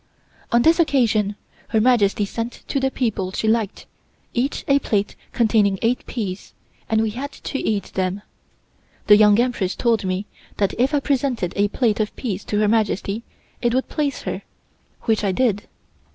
On this occasion Her Majesty sent to the people she liked, each a plate containing eight peas, and we had to eat them. The Young Empress told me that if I presented a plate of peas to Her Majesty it would please her, which I did.